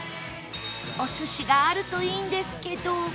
お寿司があるといいんですけど